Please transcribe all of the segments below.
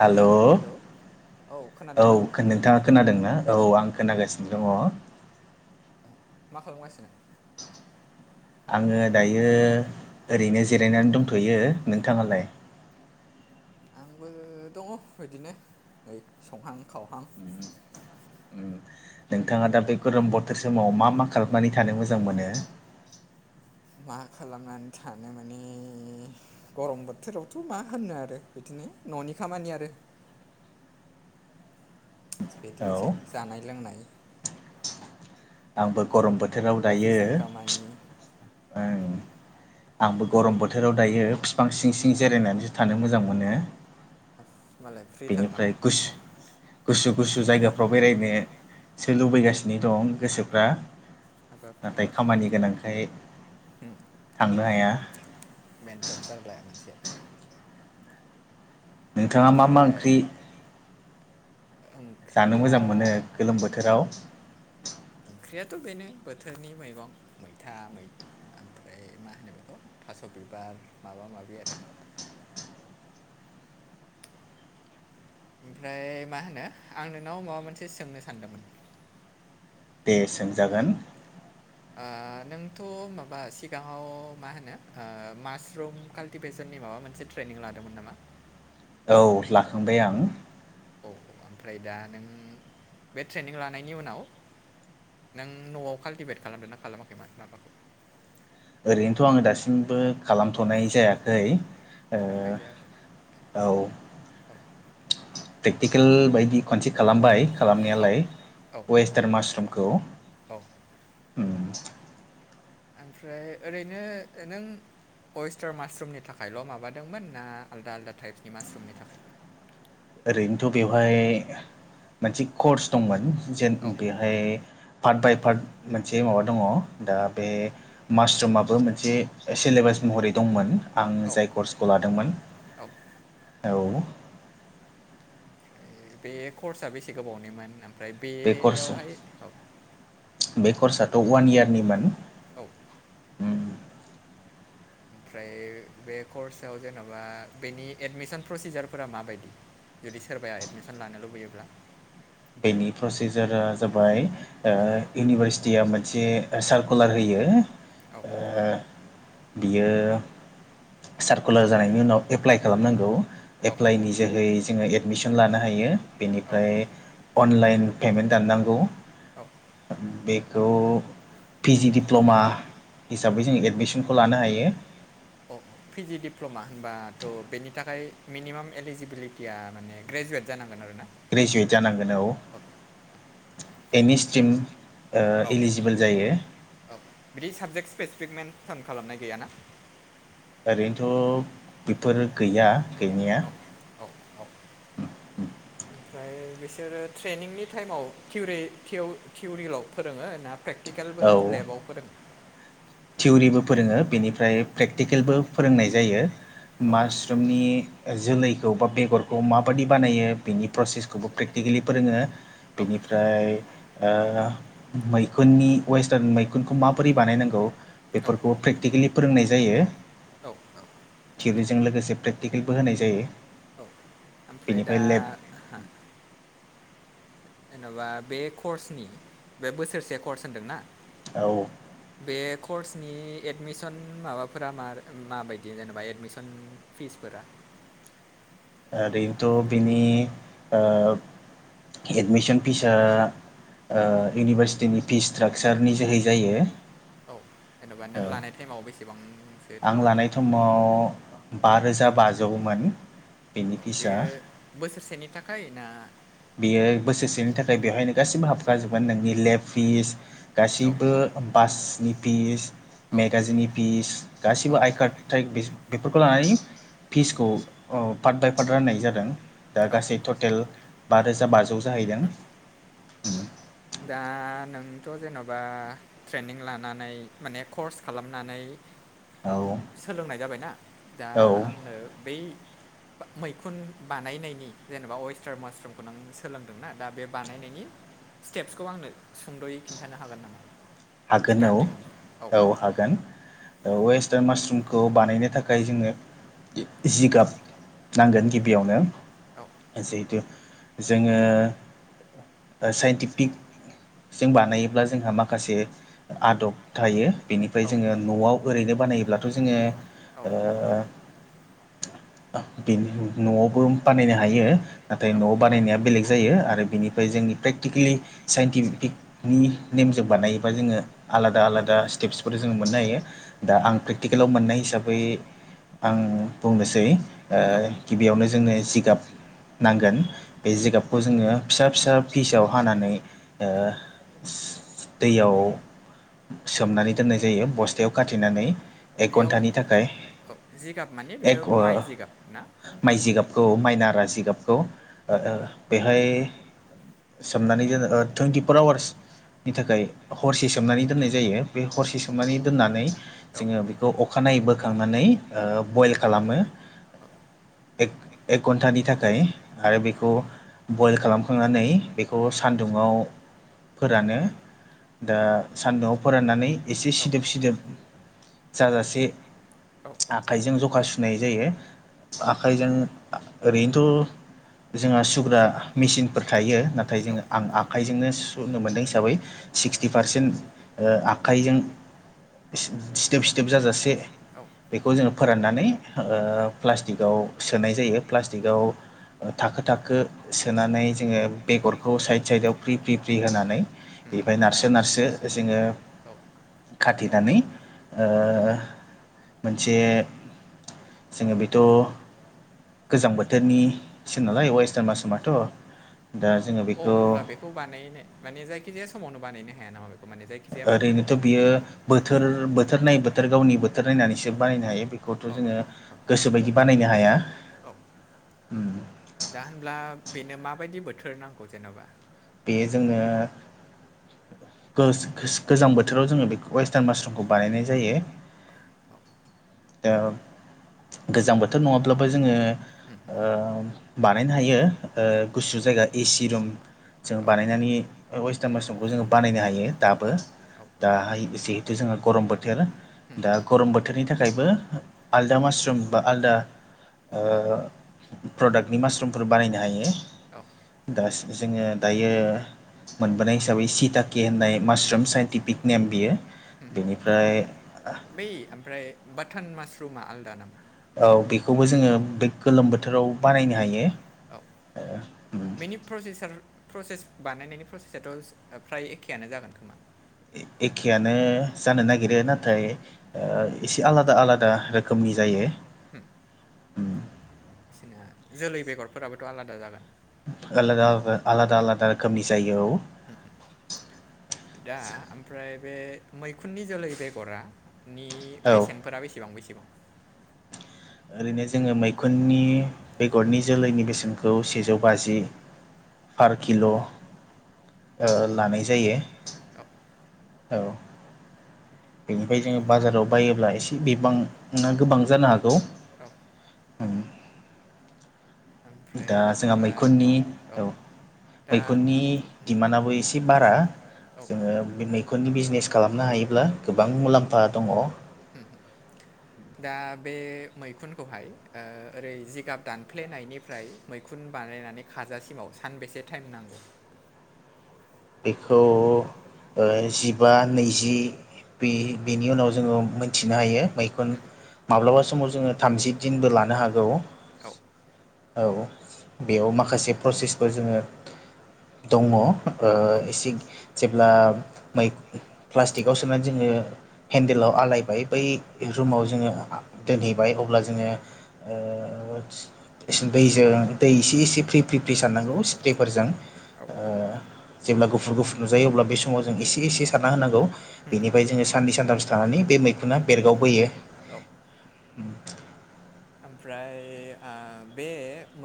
हेल' औ। नोंथाङा खोनादोंना औ आं खोनागासिनो दङ। अ मा खालामगासिनो? आङो दायो ओरैनो जिरायनानै दंथ'यो नोंथाङालाय? आंबो दङ बिदिनो नै संहां खावहां। नोंथाङा दा बे गरम बोथोर समाव मा मा खालामनानै थानो मोजां मोनो। मा खालामनानै थानो माने। गरम बोथोरावथ' मा होनो आरो बिदिनो न'नि खामानि आरो। बिदिनोसै जानाय लोंनाय आंबो गरम बोथोराव दायो ओं आंबो गरम बोथोराव दायो फिफां सिं सिं जिरायनानैसो थानो मोजां मोनो। [inaudible] मालाय बेनिफ्राय गुस गुसु गुसु जायगाफ्राव बेरायनो सो लुबैगासिनो दं गोसोफ्रा। नाथाय खामानि गोनांखाय थांनो हाया। बेनोथ' जारलाया मोनसे नोंथाङा मा मा ओंख्रि जानो मोजां मोनो गोलोम बोथोराव? ओंख्रियाथ' बेनो बोथोरनि मैगं मैथा, मै ओमफ्राय मा होनो बेखौ थास' बिबार माबा माबि आरो। ओमफ्राय मा होनो आं नोंनाव माबा मोनसे सोंनो सानदोंमोन। दे सोंजागोन। आ नोंथ' माबा सिगाङाव मा होनो ओ मासरुम काल्टिभेसननि माबा मोनसे ट्रेनिं लादोंमोन नामा? औ लाखांबाय आं। औ औ ओमफ्राय दा नों बे ट्रेनिं लानायनि उनाव नों न'आव काल्टिभेट खालामदों ना खालामाखैमोन माबाखौ? ओरैनोथ' आंङो दासिमबो खालामथ'नाय जायाखै ओ औ प्रेक्टिकेल बायदि खनसे खालामबाय। खालामनायालाय वेस्टार्न मासरुमखौ। ओमफ्राय ओरैनो नों पयेस्टार मासरुमनि थाखायल' माबादोंमोन ना आलदा आलदा टाइपसनि मासरुमनि थाखायबो? ओरैनोथ' बेवहाय मोनसे कर्स दंमोन जेन बे ओमफ्राय पार्ट बाय पार्ट मोनसे माबा दङ दा बे मासरुमाबो मोनसे सिलेबास महरै दंमोन आं जाय कर्सखौ लादोंमोन। औ। औ। ओमफ्राय बे कर्सआ बेसे गोबावनिमोन? ओमफ्राय बेयावहाय औ औ। ओमफ्राय बे कर्सआव जेन'बा बेनि एडमिसन प्रसिजारफोरा माबायदि? जुदि सोरबाया एडमिसन लानो लुबैयोब्ला? बेनि प्रसिजारा जाबाय ओ इउनिभारसिटिया मोनसे सार कलार होयो ओ बियो सारकुलार जानायनि उनाव एप्लाइ खालामनांगौ। एप्लाइनि जोहै जोंङो एडमिसन लानो हायो, बेनिफ्राय अनलाइन पेमेन्ट दाननांगौ। औ। बेखौ पि जि दिप्ल'मा हिसाबै जों एडमिसनखौ लानो हायो। अ पिजि डिप्ल'मा होनबाथ' बेनि थाखाय मिनिमाम एलिजिबिलिटिया माने ग्रेजुवेट जानांगोन आरो ना? ग्रेजुवेट जानांगोन औ। एनि स्ट्रिम ओ इलिजिबोल जायो। औ बिदि साबजेक्ट स्पेसिफिक मेन थारम खालामनाय गैयाना? ओरैनोथ' बेफोर गैया गैनाया। औ औ। [inaudible] ओमफ्राय बिसोरो ट्रेनिंनि टाइमाव टिवरि थिउ थिउरिल फोरोङो ना प्रेकटिकेलबो लेबाव फोरोङो? थिउरिबो फोरोङो बेनिफ्राय प्रेक्टिकेलबो फोरोंनाय जायो। मास स्रुमनि जोलैखौ बा बेगरखौ माबादि बानायो बेनि प्रसेसखौबो प्रेकटिकेलि फोरोङो। बेनिफ [unintelligible] ओ मैखुननि वेस्टार्न मैखुनखौ माबोरै बानायनांगौ? बेफोरखौ प्रेकटिकेलि फोरोंनाय जायो। औ औ थिउरिजों लोगोसे प्रेकटिकेलबो होनाय जायो। औ ओमफ्राय दा जेन'बा बे कर्सनि बे बोसोरसे कर्स होनदोंना औ। बे कर्सनि एडमिसन माबाफोरा मा माबायदि जेनेबा एडमिसन फिसफोरा ओरैनोथ' बिनि ओ एडमिसन फिसा ओ इउनिभारसिटिनि फि स्ट्राकसारनि जोहै जायो। औ जेन'बा नों लानाय टाइमाव बेसेबां आं लानाय समाव बा रोजा बाजौमोन। औ बेयो बोसोरसेनि थाखाय ना बेयो बोसोरसेनि थाखाय बेवहायनो गासिबो हाबखाजोबगोन नोंनि लेब फिस गासैबो बासनि फिस मेगाजिननि फिस गासिबो आइकार्ड ताइ बिस बेफोरखौ लानानै फिसखौ पार्ट बाय पार्ट राननाय जादों दा गासै टटेल बा रोजा बाजौ जाहैदों। दा नोंथ' जेन'बा ट्रेनिं लानानै माने कर्स खालामनानै सोलोंनाय जाबायना दा आंनो बै मैखुन बानायनायनि जेनेबा अेस्टार्न मासरुमखौ नों सोलोंदों ना दा बे बानायनायनि स्टेप्सखौ आंनो सुंद'यै खिन्थानो हागोन नामा? हागोन औ औ हागोन। वेस्टार्न मासरुमखौ बानायनो थाखाय जोङो जिगाब नांगोन गिबियावनो जिहेथु जोङो साइन्टिफिक जों बानायोब्ला जोंहा माखासे आदब थायो बेनिफ्राय जोङो न'आव ओरैनो बानायोब्लाथ' जोङो बे न'आवबो बानायनो हायो नाथाय न'आव बानायनाया बेलेग जायो आरो बेनिफ्राय जोंनि प्रेकटिकेलि साइन्टिफिकनि नेमजों बानायोबा जोङो आलादा आलादा स्टेप्सफोर जोङो मोननो हायो दा आं प्रेकटिकेलाव मोननाय हिसाबै आं बुंनोसै गिबियावनो जोंनो जिगाब नांगोन बे जिगाबखौ जोङो फिसा फिसा पिसाव हानानै ओ दैयाव सोमनानै दोननाय जायो बस्थायाव खाथेनानै बेयाव जिगाब माने बेयो माइ जिगाब ना? माइ जिगाबखौ माइनारा जिगाबखौ बेहाय सोमनानै जो टुन्टिफर आवार्सनि थाखाय हरसे सोमनानै दोननाय जायो बे हरसे सोमनानै दोननानै जोङो बेखौ अखानायै बोखांनानै बयल खालामो। एक एक घन्टानि थाखाय आरो बेखौ बयल खालामखांनानै बेखौ सानदुङाव फोरानो। दा सान्दुंआव फोराननानै एसे सिदोब सिदोब जाजासे आखाइजों जखा सुनाय जायो आखाइजों ओरैनोथ' जोंहा सुग्रा मेसिनफोर थायो नाथाय जों आं आखाइजोंनो सुनो मोनदों हिसाबै सिक्सटि पारसेन्ट आखाइजों सिथोब सिथोब जाजासे बेखौ जोङो फोराननानै ओ प्लास्टिकआव सोनाय जायो प्लास्टिकआव ओ थाखो थाखो सोनानै जोङो बेगरखौ साइद साइदआव फ्रि फ्रि फ्रि होनानै बेहाय नारसो नारसो जोङो खाथेनानै ओ मोनसे जोङो बेथ' गोजां बोथोरनिसो नालाय वेस्टारन मास्रुमाथ'। अ होनब्ला बेखौ बानायनो माने जायखिजाया समावनो बानायनो हाया नामा बेख ओरैनोथ' बियो बोथोर बोथोर नायै बोथोर गावनि बोथोर नायनानैसो बानायनो हायो बेख खौथ' जोङो गोसोबायदि बानायनो हाया। औ दा होनब्ला बेनो माबायदि बोथोर नांगौ जेन'बा? बे जोङो गोस गोज गोजां बोथोराव जोङो बेखौ वेस्टार्न मासरुमखौ बानायनाय जायो। औ औ ओ गोजां बोथोर नङाब्लाबो जोङो ओ बानायनो हायो ओ गुसु जायगा एसि रुम जों बानायनानै वेस्टार्न मास्रुमखौ जोङो बानायनो हायो दाबो। दाहाय जिहेथु जोंङो गरम बोथोर दा गरम बोथोरनि थाखायबो आलदा मासरुम बा आलदा ओ प्रडाक्टनि मासरुमफोर बानायनो हायो दा जोङो दायो मोनबोनाय हिसाबै सिटाके होननाय मासरुम साइन्टिफिक नेम बियो बेनिफ्राय बै ओमफ्राय बाथोन मासरुमा आलदा नामा? औ बेखौबो जोङो बे गोलोम बोथोराव बानायनो हायो। बेनि प्रसेसार प्रसेस बानायनायनि प्रसेसाथ' फ्राय एखेयानो जागोन खोमा? एखेयानो जानो नागिरो नाथाय ओ एसे आलादा आलादा रोखोमनि जायो। बिसिना जोलै बेगरफोराबोथ' आलादा जागोन। आलादा आलादा आलादा आलादा रोखोमनि जायो औ। हुम दा ओमफ्राय बे मैखुननि जोलै बेगरा नि बेसेनफोरा बेसेबां बेसेबां? ओरैनो जोङो मैखुननि बेगरनि जोलैनि बेसेनखौ सेजौ बाजि पार किल' ओ लानाय जायो। थाब औ बेनिफ्राय जोङो बाजाराव बायोब्ला एसे बिबाङा गोबां जानो हागौ। औ दा जोंहा मैखुननि औ मैखुननि दिडिमान्डआबो एसे बारा जोङो बे मैख खुननि बिजनेस खालामनो हायोब्ला गोबां मुलाम्फा दङ'। हुम दा बे मैखुनखौहाय ओ ओरै जिगाब दानफ्लेनायनिफ्राय मैखुन बानायनानै खाजासिमाव सानबेसे टाइम नांगौ? बेखौ ओ जिबा नैजि बे-बेनि उनाव जोङो थिनो हायो मैखुन माब्लाबा समाव जोङो थामजि दिनबो लानो हागौ। औ बेयाव माखासे प्रसेसफोर जोङो दङ'। ओ एसे जेब्ला मैख प्लास्टिकआव सोनानै जोङो हेन्देलाव आलायबाय बै रुमाव जोङो दोनहैबाय अब्ला जोङो ओ दैजों दै इसे एसे फ्रि फ्रि फ्रि सारनांगौ स्प्रेफोरजों ओ जेब्ला गुफुर गुफुर नुजायो अब्ला बे समाव जों एसे एसे सारना होनांगौ। बेनिफ्राय जोङो साननै सानथामसो थानानै बे मैखुना बेरगाव बोयो। ओमफ्राय ओ बे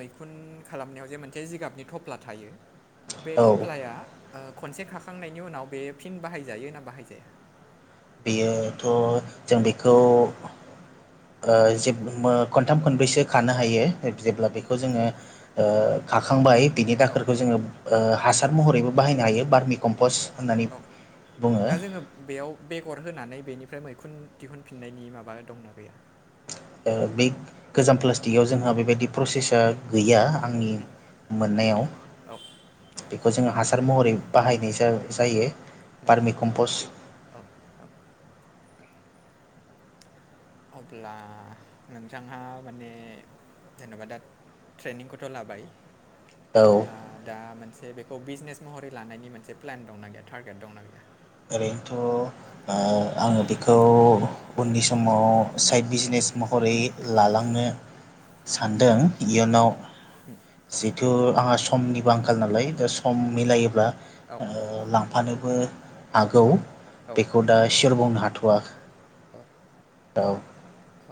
मैखुन खालामनायाव जे मोनसे जिगाबनि थफ्ला थायो। बे थफ्लाया ओ खनसे खाखांनायनि उनाव बे फिन बाहायजायो ना बाहायजाया? बेयोथ' जों बेखौ ओ जे खनथाम खनब्रैसो खानो हायो जेब्ला बेखौ जोङो ओ खाखांबाय बिनि दाखोरखौ जोङोह हासार महरैबो बाहायनो हायो बार्मि कम्पस्ट होननानै औ दा जोङो बेयाव बेगर होनानै बेनिफ्राय मैखुन दिहुनफिननायनि माबा दंना गैया? बे गोजाम प्लास्टिकआव जोंहा बेबायदि प्रसेसा गैया आंनि मोननायाव औ। बेखौ जों हासार महरै बाहायनाय जायो पार्मिकम्पस्ट औ औ। अब्ला नोंथांहा माने जेनेबा दा ट्रेनिंखौथ' लाबाय। अब्ला दा मोनसे बेखौ बिजनेस महरै लानायनि मोनसे प्लेन दंना गैया टारगेट दंना गैया? ओरैनोथ' आङो बेखौ उननि समाव साइड बिजिनेस महरै लालांनो सानदों। इयुनाव जिहथु आंहा समनिबो आंखाल नालाय दा सम मिलायोब्ला ओ लांफानोबो हागौ बेखौ दा सियर बुंनो हाथ' वा औ।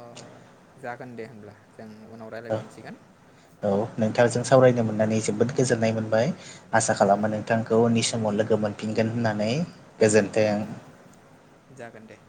अ जागोन दे होनब्ला जों उनाव रायज्लायफिनसिगोन। औ नोंथांजों सावरायनो मोननानै जोबोद गोजोननाय मोनबाय। आसा खालामो नोंथांखौ समाव लोगो मोनफिनगोन होननानै गोजोन्थों। जागोन दे।